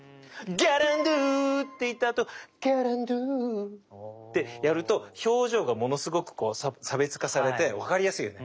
ギャランドゥ！って言ったあとギャランドゥってやると表情がものすごく差別化されて分かりやすいよね。